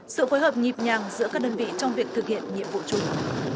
sự phối hợp nhịp nhàng giữa các đơn vị trong việc thực hiện nhiệm vụ chung